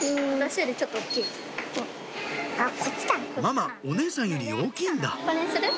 ママお姉さんより大きいんだ